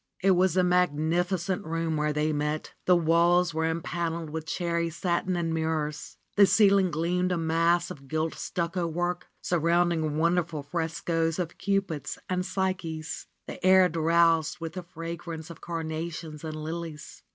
It was a magnificent room where they met. The walls were empanneled with cherry satin and mirrors. The ceiling gleamed a mass of gilt stucco work, surrounding wonderful frescoes of Cupids and Psyches. The air RENUNCIATION OF FRA SIMONETTA 103 drowsed with the fragrance of carnations and lilies.